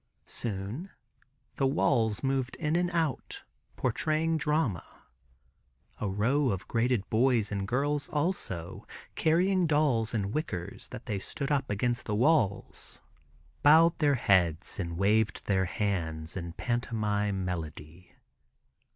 Soon the walls moved in and out, portraying drama. A row of graded boys and girls also, carrying dolls in wickers that they stood up against the walls, bowed their heads and waved their hands in pantomime melody.